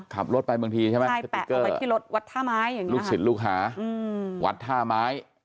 ขับรถไปบางทีใช่ไหมสติ๊กเกอร์ลูกศิษย์ลูกหาวัดธาไม้